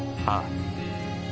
ああ。